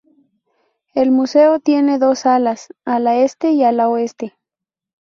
El museo tiene dos alas: ala este y ala oeste.